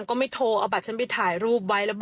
ก้สสก็บอกว่า